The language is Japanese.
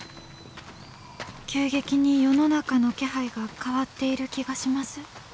急激に世の中の気配が変わっている気がします。